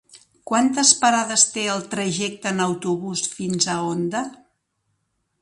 Quantes parades té el trajecte en autobús fins a Onda?